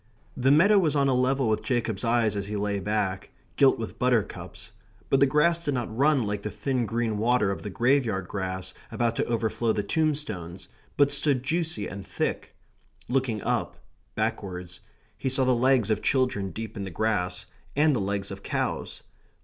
The meadow was on a level with Jacob's eyes as he lay back; gilt with buttercups, but the grass did not run like the thin green water of the graveyard grass about to overflow the tombstones, but stood juicy and thick. Looking up, backwards, he saw the legs of children deep in the grass, and the legs of cows.